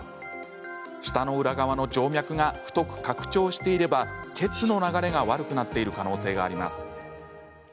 舌の裏側の静脈が太く拡張していれば血の流れが悪くなっている可能性があります。